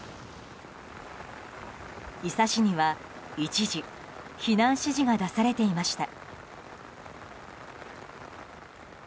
伊佐市には一時避難指示が出されていました。